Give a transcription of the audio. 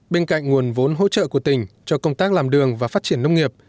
bên cạnh nguồn vốn hỗ trợ của tỉnh cho công tác làm đường và phát triển nông nghiệp